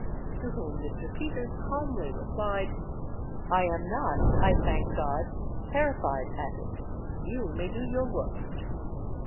To whom Mr. Peters calmly replied, "I am not, I thank God, terrified at it you may do your worst."